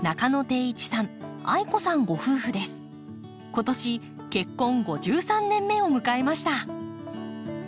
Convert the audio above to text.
今年結婚５３年目を迎えました。